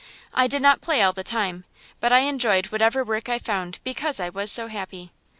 I did not play all the time, but I enjoyed whatever work I found because I was so happy.